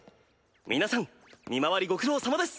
皆さん見回りご苦労さまです！